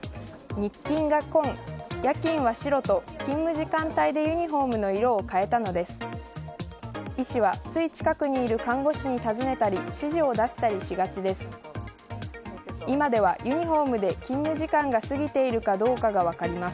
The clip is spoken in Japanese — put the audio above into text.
日勤が紺、夜勤が白と勤務時間帯でユニホームの色を変えたのです。